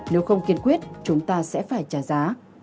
nếu không kiên quyết chúng ta sẽ phải trả giá